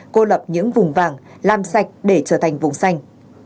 cô lập những vùng vàng làm sạch để trở thành vùng xanh